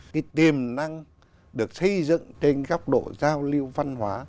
cái tiềm năng được xây dựng trên góc độ giao lưu văn hóa